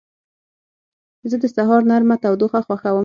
زه د سهار نرمه تودوخه خوښوم.